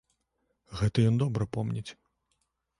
Гэта ён добра помніць.